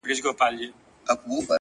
هره پوښتنه د کشف لاره هواروي.!